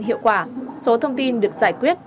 hiệu quả số thông tin được giải quyết